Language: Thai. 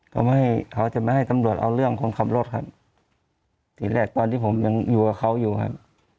เขาไม่เขาจะไม่ให้ตำรวจเอาเรื่องคนขับรถครับทีแรกตอนที่ผมยังอยู่กับเขาอยู่ครับ